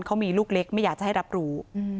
เขามีลูกเล็กไม่อยากจะให้รับรู้